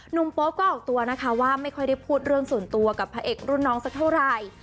โป๊ปก็ออกตัวนะคะว่าไม่ค่อยได้พูดเรื่องส่วนตัวกับพระเอกรุ่นน้องสักเท่าไหร่